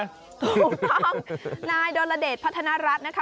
ถูกต้องนายดลเดชพัฒนารัฐนะคะ